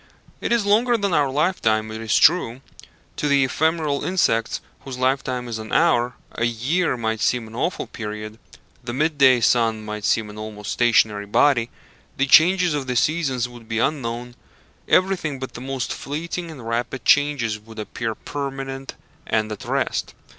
It is longer than our lifetime, it is true. To the ephemeral insects whose lifetime is an hour, a year might seem an awful period, the mid day sun might seem an almost stationary body, the changes of the seasons would be unknown, everything but the most fleeting and rapid changes would appear permanent and at rest.